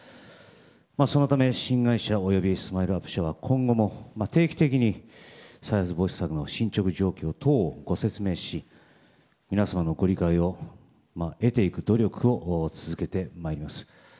そのため、新会社およびＳＭＩＬＥ‐ＵＰ．社は今後も定期的に再発防止策の進捗状況等をご説明し皆様のご理解を得ていく努力を続けてまいります。